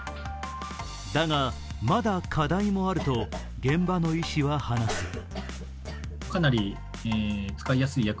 だが、まだ課題もあると現場の医師は話す。